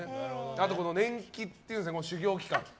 あと年季っていうんですね修行期間。